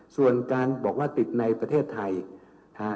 ส่วนการบอกว่าติดในประเทศไทย